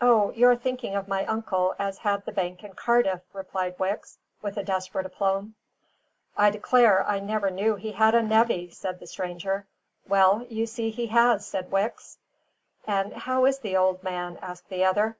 "O, you're thinking of my uncle as had the bank in Cardiff," replied Wicks, with desperate aplomb. "I declare I never knew he had a nevvy!" said the stranger. "Well, you see he has!" says Wicks. "And how is the old man?" asked the other.